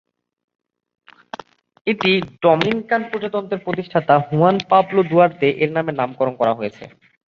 এটি ডমিনিকান প্রজাতন্ত্রের প্রতিষ্ঠাতা হুয়ান পাবলো দুয়ার্তে এর নামে নামকরণ করা হয়েছে।